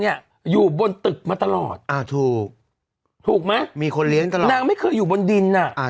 อยู่บนตึกมาตลอดอ่าถูกถูกไหมมีคนเลี้ยงตลอดนางไม่เคยอยู่บนดินอ่ะอ่า